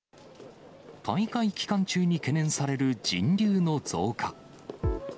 大会期間中に懸念される人流の増加。